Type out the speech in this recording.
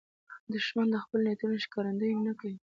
دښمن د خپلو نیتونو ښکارندویي نه کوي